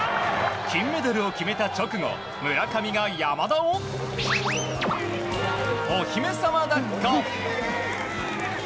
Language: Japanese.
金メダルを決めた直後村上が山田をお姫様抱っこ。